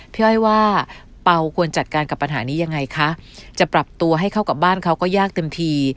พี่อ้อยว่าเป่าควรจัดการกับปัญหานี้ยังไงคะจะปรับตัวให้เข้ากับบ้านเขาก็ยากเต็มที